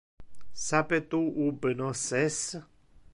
Sape tu ubi nos es?